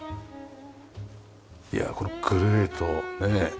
いやこれグレーとねえ。